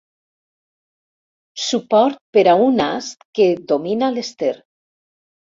Suport per a un ast que domina l'Ester.